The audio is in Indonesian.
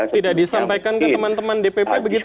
tidak disampaikan ke teman teman dpp begitu